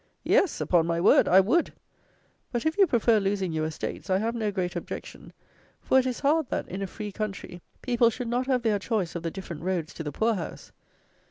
Yes, upon my word, I would; but if you prefer losing your estates, I have no great objection; for it is hard that, "in a free country," people should not have their choice of the different roads to the poor house.